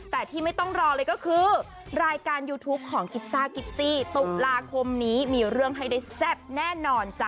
แต่ที่ไม่ต้องรอเลยก็คือรายการยูทูปของกิซ่ากิฟซี่ตุลาคมนี้มีเรื่องให้ได้แซ่บแน่นอนจ้ะ